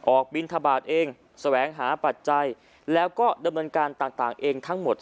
บินทบาทเองแสวงหาปัจจัยแล้วก็ดำเนินการต่างเองทั้งหมด